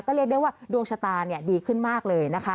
ก็เรียกได้ว่าดวงชะตาดีขึ้นมากเลยนะคะ